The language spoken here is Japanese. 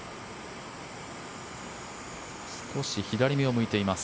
少し左めを向いています。